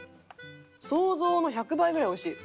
想像の１００倍ぐらいおいしい。